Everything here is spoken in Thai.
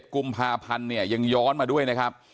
๑๗กภยังย้อนมาด้วยนะครับ